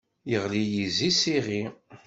Iɣli yizi s iɣi.